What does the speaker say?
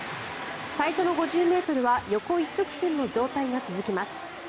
最初の５０ｍは横一直線の状態が続きます。